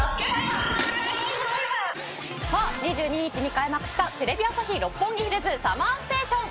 さあ２２日に開幕したテレビ朝日・六本木ヒルズＳＵＭＭＥＲＳＴＡＴＩＯＮ。